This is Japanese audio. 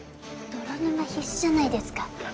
泥沼必至じゃないですか。